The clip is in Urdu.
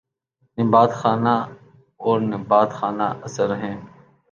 نبات خانہ اور نبات خانہ اثر ہیں